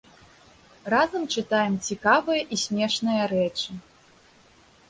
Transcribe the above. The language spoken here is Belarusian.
Разам чытаем цікавыя і смешныя рэчы.